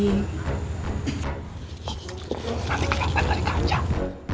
nanti kita makan dari kacang